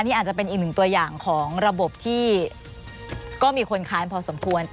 นี่อาจจะเป็นอีกหนึ่งตัวอย่างของระบบที่ก็มีคนค้านพอสมควร